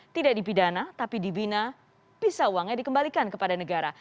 tidak dipidana tapi dibina bisa uangnya dikembalikan kepada negara